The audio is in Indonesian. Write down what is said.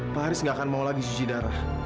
pak haris gak akan mau lagi cuci darah